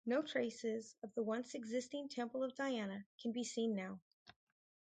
No traces of the once existing Temple of Diana can be seen now.